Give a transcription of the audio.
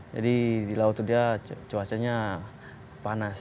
jadi di laut itu dia cuacanya panas